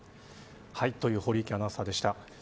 堀池アナウンサーでした。